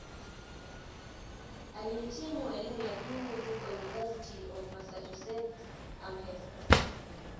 Alihitimu elimu ya juu huko "University of Massachusetts-Amherst".